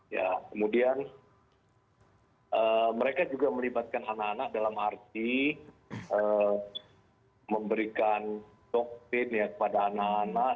ya kemudian mereka juga melibatkan anak anak dalam arti memberikan doktrin ya kepada anak anak